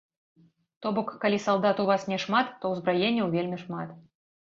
То бок, калі салдат у нас няшмат, то ўзбраенняў вельмі шмат.